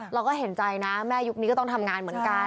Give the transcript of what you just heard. เราก็เห็นใจนะแม่ยุคนี้ก็ต้องทำงานเหมือนกัน